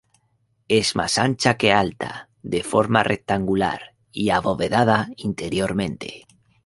Es más ancha que alta, de forma rectangular y abovedada interiormente.